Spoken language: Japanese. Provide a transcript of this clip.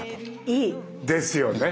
いい！ですよね。